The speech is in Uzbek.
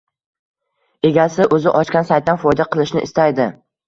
Egasi o‘zi ochgan saytdan foyda qilishni istaydi.